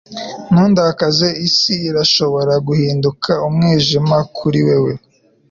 ntundakaze. isi irashobora guhinduka umwijima kuri wewe